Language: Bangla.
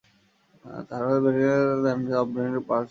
ডানহাতে ব্যাটিংয়ের পাশাপাশি ডানহাতে অফ ব্রেক বোলিংয়ে পারদর্শী ছিলেন।